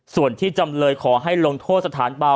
ส่วนที่จำเลยขอให้ลงโทษสถานเบา